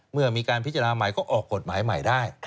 เมื่อมีการพิจารณาใหม่ก็ออกกฎหมายใหม่ได้